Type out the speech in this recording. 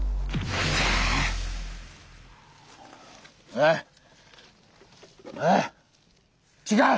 はい！